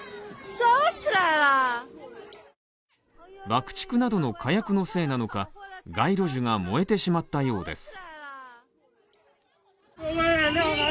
爆竹などの火薬のせいなのか、街路樹が燃えてしまったようです。